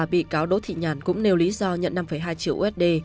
bị cáo đỗ thị nhàn cũng nêu lý do nhận năm hai triệu usd